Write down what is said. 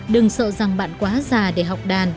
đừng sợ rằng bạn quá già để học đàn